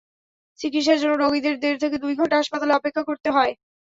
চিকিৎসার জন্য রোগীদের দেড় থেকে দুই ঘণ্টা হাসপাতালে অপেক্ষা করতে হয়।